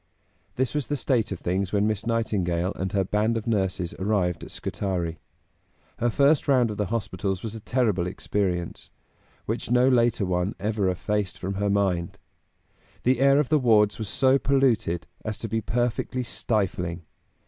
This was the state of things when Miss Nightingale and her band of nurses arrived at Scutari. Her first round of the hospitals was a terrible experience, which no later one ever effaced from her mind. The air of the wards was so polluted as to be perfectly stifling.